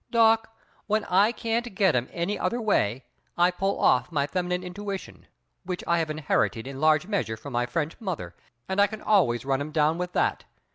"Doc, when I can't get 'em any other way I pull off my feminine intuition, which I have inherited in large measure from my French mother, and I can always run 'em down with that!